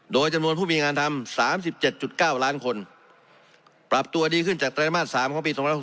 โดยจำนวนผู้มีงานทำ๓๗๙ล้านคนปรับตัวดีขึ้นจากไตรมาส๓ของปี๒๖๖